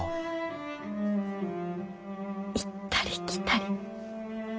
行ったり来たり。